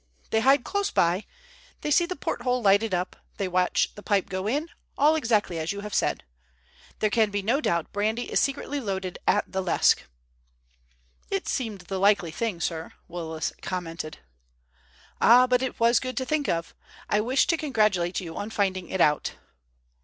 They hide close by; they see the porthole lighted up; they watch the pipe go in, all exactly as you have said. There can be no doubt brandy is secretly loaded at the Lesque." "It seemed the likely thing, sir," Willis commented. "Ah, but it was good to think of. I wish to congratulate you on finding it out."